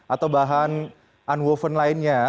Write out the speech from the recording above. atau bahan unwoven lainnya